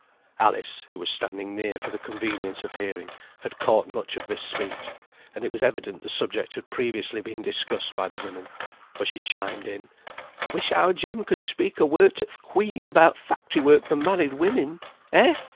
Alice, who was standing near for the convenience of hearing, had caught much of this speech, and it was evident the subject had previously been discussed by the women, for she chimed in. "I wish our Jem could speak a word to th' Queen about factory work for married women. Eh!